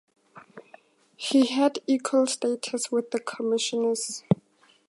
He had equal status with the Commissioners.